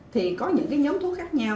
thì có những nhóm thuốc khác nhau